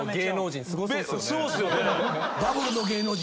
そうっすよね。